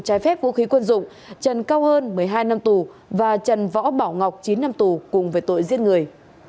trái phép vũ khí quân dụng trần cao hơn một mươi hai năm tù và trần võ bảo ngọc chín năm tù cùng về tội giết người